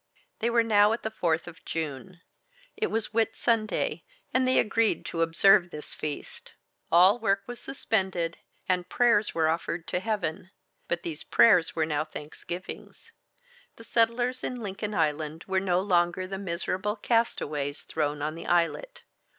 They were now at the 4th of June. It was Whit Sunday and they agreed to observe this feast. All work was suspended, and prayers were offered to Heaven. But these prayers were now thanksgivings. The settlers in Lincoln Island were no longer the miserable castaways thrown on the islet.